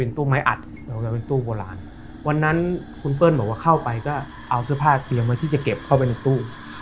เอาเสื้อผ้าเกลียวมาที่จะเก็บเข้าไปในตู้